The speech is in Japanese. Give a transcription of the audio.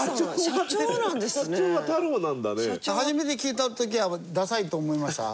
初めて聞いた時はダサいと思いました？